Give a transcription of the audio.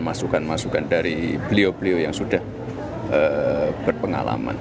masukan masukan dari beliau beliau yang sudah berpengalaman